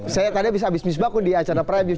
saya tadi habis mies bakun di acara prime news